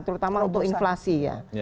terutama untuk inflasi ya